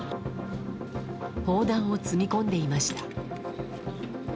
砲弾を積み込んでいました。